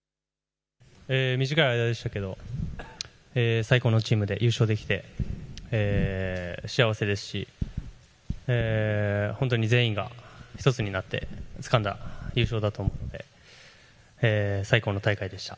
短い間でしたけれども最高のチームで優勝できて幸せですし本当に全員が１つになってつかんだ優勝だと思うので最高の大会でした。